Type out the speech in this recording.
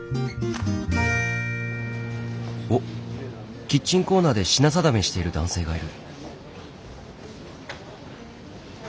おっキッチンコーナーで品定めしている男性がいる。